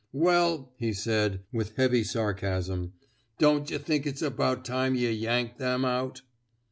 '^ Well," he said, with heavy sarcasm, '^ don't yuh think it's about time yuh yanked them out!